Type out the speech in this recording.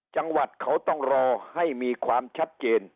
จังหวัดเขาต้องรอให้มีความชัดเจน